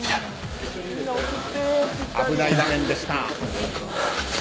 危ない場面でした。